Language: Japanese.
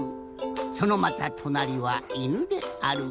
そのまたとなりはいぬである。